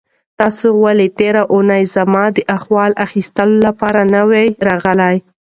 تاسو ولې تېره اونۍ زما د احوال اخیستلو لپاره نه وئ راغلي؟